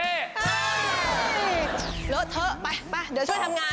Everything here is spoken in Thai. เหลือเถอะไปเดี๋ยวช่วยทำงาน